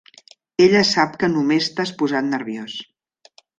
Ella sap que només t'has posat nerviós.